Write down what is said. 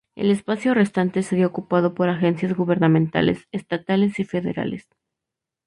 El espacio restante sería ocupado por agencias gubernamentales estatales y federales.